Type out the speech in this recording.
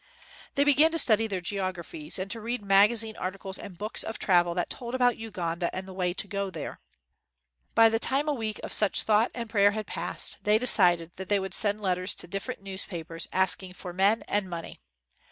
" They began to study their geographies, and to read magazine articles and books of travel that told about Uganda and the way to go there. By the time a week of such thought and prayer had passed, they decided 24 AFTER THE NEWS WAS READ that they would send letters to different newspapers asking for men and money.